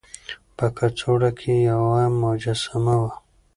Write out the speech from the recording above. په کڅوړه کې يوه مجسمه وه.